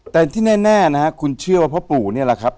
แต่ที่แน่นะฮะคุณเชื่อว่าพ่อปู่นี่แหละครับ